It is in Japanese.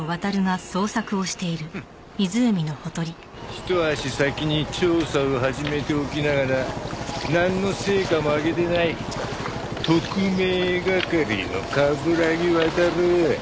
一足先に調査を始めておきながらなんの成果も上げてない特命係の冠城亘。